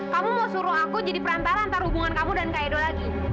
kamu mau suruh aku jadi perantara antara hubungan kamu dan kak edo lagi